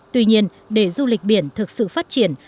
tuy nhiên để du lịch biển thực sự phát triển